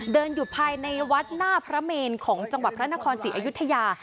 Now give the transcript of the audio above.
เดินอยู่ภายในวัดหน้าพระเมนของจังหวัดพระนครศรีอยุธยา